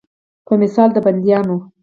په مثال د بندیوان.